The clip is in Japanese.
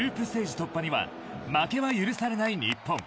突破には負けは許されない日本。